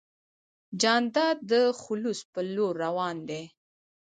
جانداد د خلوص په لور روان دی.